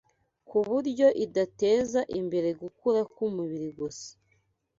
ku buryo idateza imbere gukura k’umubiri gusa